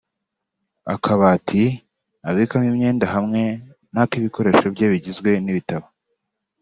akabati abikamo imyenda hamwe n’ak’ibikoresho bye bigizwe n’ibitabo